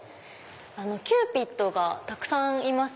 キューピッドがたくさんいます。